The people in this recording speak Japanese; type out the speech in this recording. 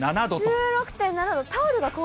１６．７度？